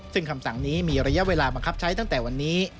ซึ่งคำสั่งนี้มีระยะเวลาบังคับใช้ตั้งแต่วันนี้